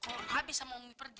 kalo abie sama umi pergi